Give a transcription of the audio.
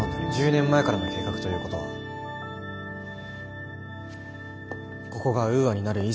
１０年前からの計画ということはここがウーアになる以前の計画です。